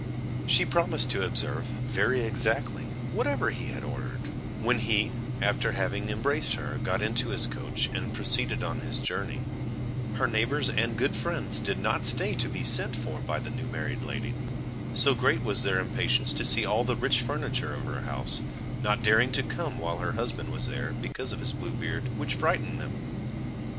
She promised to observe, very exactly, whatever he had ordered; when he, after having embraced her, got into his coach and proceeded on his journey. [Illustration: "THIS MAN HAD THE MISFORTUNE TO HAVE A BLUE BEARD"] Her neighbours and good friends did not stay to be sent for by the newmarried lady, so great was their impatience to see all the rich furniture of her house, not daring to come while her husband was there, because of his blue beard which frightened them.